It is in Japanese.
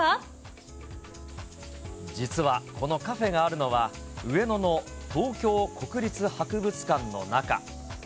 実は、このカフェがあるのは、上野の東京国立博物館の中。